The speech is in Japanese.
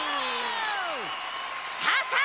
さあさあ